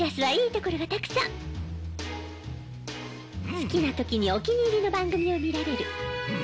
好きな時にお気に入りの番組を見られる。